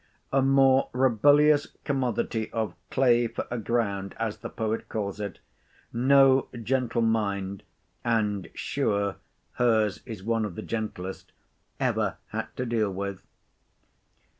A more rebellious commodity of clay for a ground, as the poet calls it, no gentle mind—and sure hers is one of the gentlest—ever had to deal with.